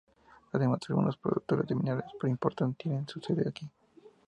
Además, algunos productores de minerales importantes tienen su sede aquí.